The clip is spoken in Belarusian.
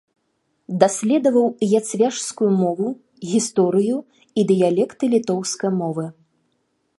Даследаваў яцвяжскую мову, гісторыю і дыялекты літоўскай мовы.